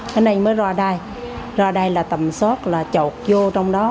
cái này mới ra đây ra đây là tầm soát là chọc vô trong đó